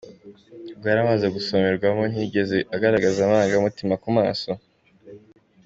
Ubwo yari amaze gusomerwa ntigeze agaragaza amarangamutima ku maso .